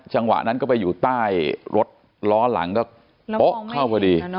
จังหวะนั้นก็ไปอยู่ใต้รถล้อหลังก็โป๊ะเข้าพอดี